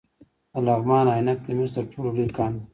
د لغمان عينک د مسو تر ټولو لوی کان دی